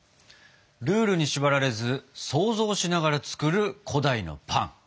ルールに縛られず想像しながら作る古代のパン。